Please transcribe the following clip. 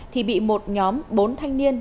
thì bị một nhóm bốn thanh niên